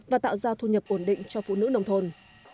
và tạo ra thu nhập ổn định cho phụ nữ nông thôn